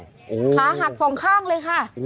ขาหักสองข้างเลยค่ะ